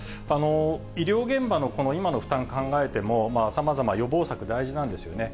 医療現場のこの今の負担を考えても、さまざま予防策、大事なんですよね。